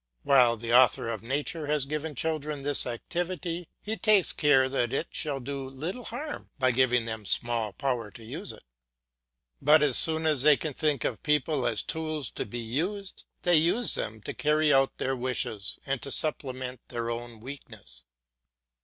While the Author of nature has given children this activity, He takes care that it shall do little harm by giving them small power to use it. But as soon as they can think of people as tools to be used, they use them to carry out their wishes and to supplement their own weakness.